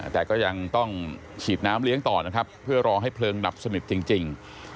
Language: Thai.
แต่ก็ยังต้องฉีดน้ำเลี้ยงต่อนะครับเพื่อรอให้เพลิงดับสนิทจริง